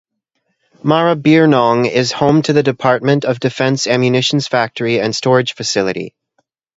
Maribyrnong is home to the Department of Defence ammunitions factory and storage facility.